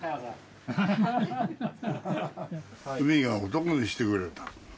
「海が男にしてくれた」